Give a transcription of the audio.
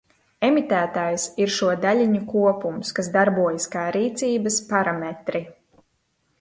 Emitētājs ir šo daļiņu kopums, kas darbojas kā rīcības parametri.